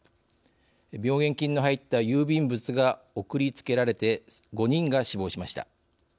病原菌の入った郵便物が送りつけられて５人が死亡しました。